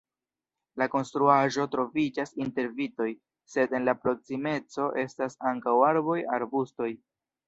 La konstruaĵo troviĝas inter vitoj, sed en la proksimeco estas ankaŭ arboj, arbustoj.